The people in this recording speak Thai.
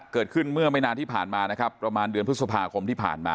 เกิดขึ้นเมื่อไม่นานที่ผ่านมานะครับประมาณเดือนพฤษภาคมที่ผ่านมา